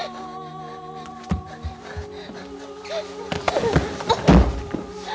うっ！